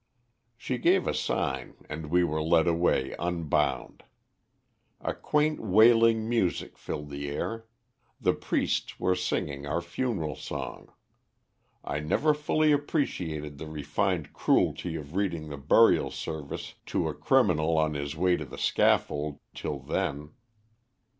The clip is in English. "She gave a sign and we were led away unbound. A quaint wailing music filled the air; the priests were singing our funeral song. I never fully appreciated the refined cruelty of reading the burial service to a criminal on his way to the scaffold till then.